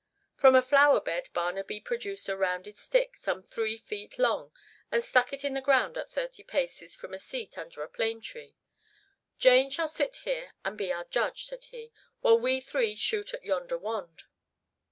From a flower bed Barnaby produced a rounded stick, some three feet long, and stuck it in the ground at thirty paces from a seat under a plane tree. "Jane shall sit here and be our judge," said he, "while we three shoot at yonder wand."